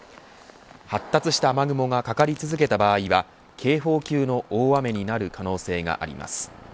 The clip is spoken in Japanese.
発達した雨雲がかかり続けた場合は警報級の大雨になる可能性があります。